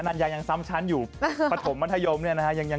ดันยางยังซ้ำชั้นอยู่ประถมมัธยมเนี่ยนะฮะ